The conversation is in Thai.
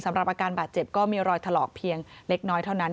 อาการบาดเจ็บก็มีรอยถลอกเพียงเล็กน้อยเท่านั้น